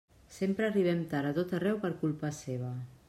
Sempre arribem tard a tot arreu per culpa seva.